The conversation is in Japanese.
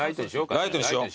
ライトにしようか。